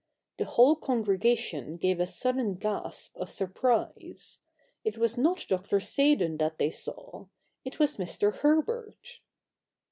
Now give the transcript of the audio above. The whole congregation gave a sudden gasp of surprise. It was not Dr. Seydon that they saw. It was Mr. Herbert.